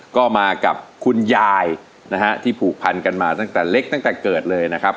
ก็มากับคุณยายนะฮะที่ผูกพันกันมาตั้งแต่เล็กตั้งแต่เกิดเลยนะครับ